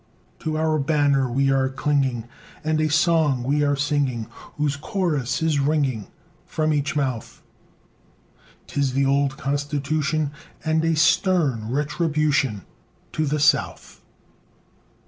To our banner we are clinging, And a song we are singing, Whose chorus is ringing From each mouth; 'Tis "The old Constitution And a stern retribution To the South."